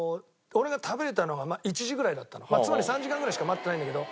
俺がつまり３時間ぐらいしか待ってないんだけど。